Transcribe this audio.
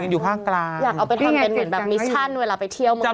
อยากเอาไปทำเป็นแบบมิชชั่นเวลาไปเที่ยวเมืองไข่